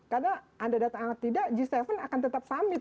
karena anda datang atau tidak g tujuh akan tetap pamit